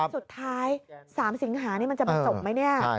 สุดท้าย๓สิงหานี่มันจะมาจบไหมเนี่ย